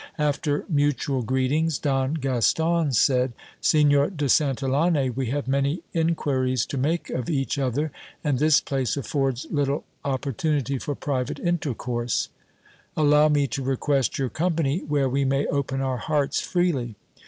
After mutual greetings, Don Gaston said : Signor de Santillane, we have many inquiries to make of each other, and this place affords little opportunity for private intercourse ; allow me to request your company where we may open our hearts freely.